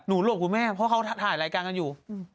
หนูหลบกูไม่ให้เพราะเขาถ่ายรายการกันอยู่